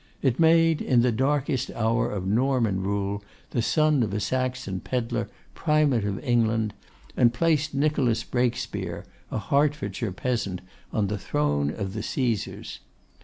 It made, in the darkest hour of Norman rule, the son of a Saxon pedlar Primate of England, and placed Nicholas Breakspear, a Hertfordshire peasant, on the throne of the Caesars.